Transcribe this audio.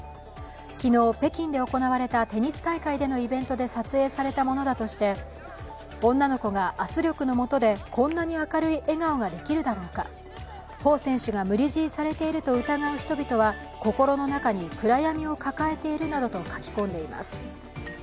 昨日、北京で行われたテニス大会でのイベントで撮影されたものだとして女の子が圧力の下でこんな明るい笑顔ができるだろうか、彭選手が無理強いされていると疑う人々は心の中に暗闇を抱えているなどと書き込んでいます。